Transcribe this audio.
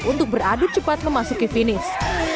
untuk beradu cepat memasuki finish